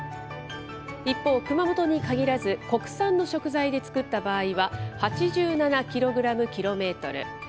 一方、熊本に限らず国産の食材で作った場合は、８７キログラム・キロメートル。